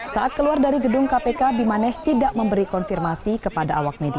saat keluar dari gedung kpk bimanesh tidak memberi konfirmasi kepada awak media